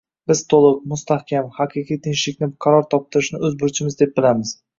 Biz to‘liq, mustahkam, haqiqiy tinchlikni qaror toptirishni o‘z burchimiz deb bilamiz